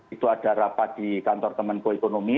itu ada rapat di kantor kemenko ekonomi